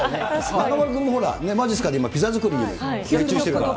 中丸君も今、まじっすかでピザ作りに熱中してるから。